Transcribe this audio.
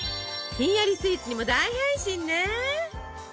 ひんやりスイーツにも大変身ね！